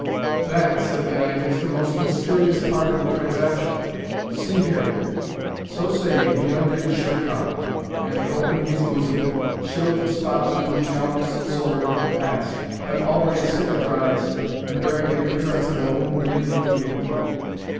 "That," said the knight, "is the most mysterious part of the transaction See here!" So saying, he undid his shirt collar, and, opening his bosom, showed the spot through which Halbert's sword had passed, but already cicatrized, and bearing the appearance of a wound lately healed.